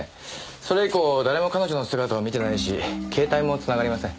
それ以降誰も彼女の姿を見てないし携帯も繋がりません。